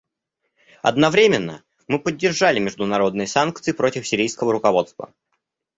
Одновременно мы поддержали международные санкции против сирийского руководства.